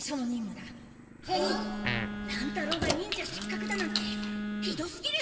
乱太郎が忍者失格だなんてひどすぎる！